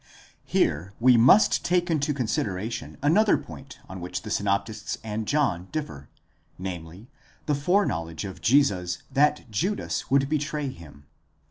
Here we must take into consideration another point on which the synoptists and John differ, namely, the foreknowledge of Jesus that Judas would betray him.